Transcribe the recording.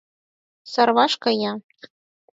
Сарваш кая.